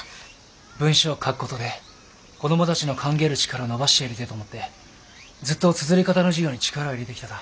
文章を書く事で子どもたちの考える力を伸ばしてやりてえと思ってずっとつづり方の授業に力を入れてきただ。